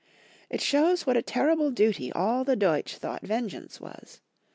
It shows what a terrible duty all the Deutsch thought vengeance was.